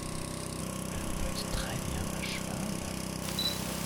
Elle monte très bien à cheval.